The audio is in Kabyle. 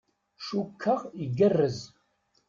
Cukkeɣ igerrez.